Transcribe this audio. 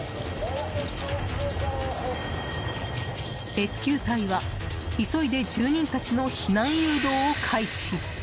レスキュー隊は急いで住人たちの避難誘導を開始。